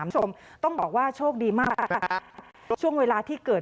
จึงบอกว่าจริงนะ